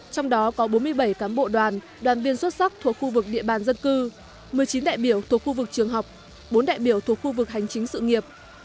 trong đó có bốn mươi bảy cán bộ đoàn đoàn viên xuất sắc thuộc khu vực địa bàn dân cư một mươi chín đại biểu thuộc khu vực trường học bốn đại biểu thuộc khu vực hành chính sự nghiệp